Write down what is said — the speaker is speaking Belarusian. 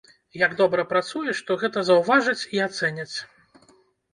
Як добра працуеш, то гэта заўважаць і ацэняць.